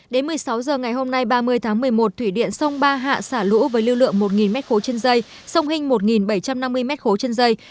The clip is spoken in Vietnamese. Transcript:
đến một mươi sáu h ngày hôm nay ba mươi tháng một mươi một thủy điện sông ba hạ xả lũ với lưu lượng một m ba trên dây sông hinh một bảy trăm năm mươi m ba trên dây